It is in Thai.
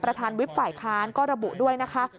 ประธานวิทย์ฝ่ายค้านก็ระบุด้วยนะคะ